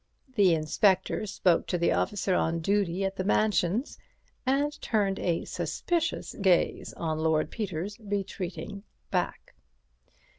The Inspector spoke to the officer on duty at the Mansions, and turned a suspicious gaze on Lord Peter's retreating back.